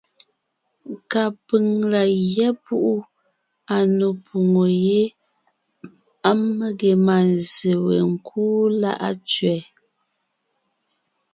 Kapʉ̀ŋ la gyɛ́ púʼu à nò poŋo yé á mege mânzse we ńkúu Láʼa Tsẅɛ.